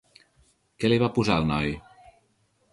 Què li va posar al noi?